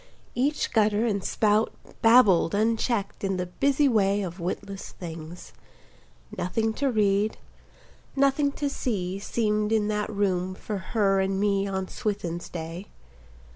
Each gutter and spout Babbled unchecked in the busy way Of witless things: Nothing to read, nothing to see Seemed in that room for her and me On Swithin's day.